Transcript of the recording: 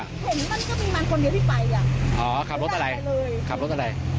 เห็นมันก็เป็นมันคนเดียวที่ไปอ่ะอ๋อขับรถอะไรเลยขับรถอะไร